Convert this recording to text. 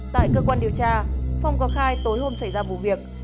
tại cơ quan điều tra phong có khai tối hôm xảy ra vụ việc